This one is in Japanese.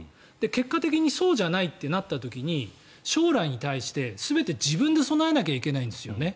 結果的にそうじゃないってなった時に将来に対して全て自分で備えないといけないんですね。